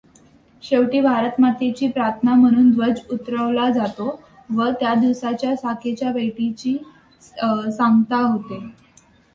शेवटी भारतमातेची प्रार्थना म्हणून ध्वज उतरवला जातो व त्या दिवसाच्या शाखेच्या बैठकीची सांगता होते.